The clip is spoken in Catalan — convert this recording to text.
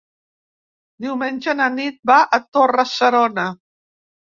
Diumenge na Nit va a Torre-serona.